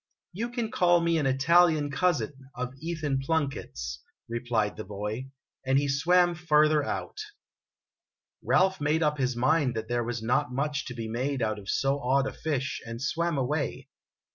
" You can call me an Italian cousin of Ethan Plunkett's," replied the boy, and he swam further out. Ralph made up his mind that there was not much to be made out of so odd a fish, and swam away.